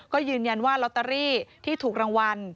ก็ยืนยันว่าลอตเตอรี่ที่ถูกรางวัล